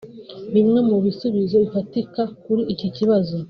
Bimwe mu bisubizo bifatika kuri iki kibazo